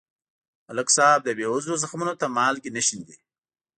ملک صاحب د بېوزلو زخمونو ته مالګې نه شیندي.